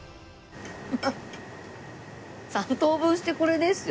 ３等分してこれですよ。